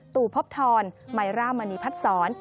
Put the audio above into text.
ตู่พบทรมายร่ามณีพัดศร